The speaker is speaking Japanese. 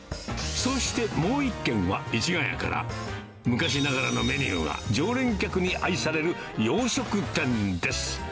そしてもう１軒は、市ケ谷から、昔ながらのメニューが常連客に愛される洋食店です。